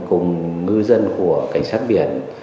cùng ngư dân của cảnh sát biển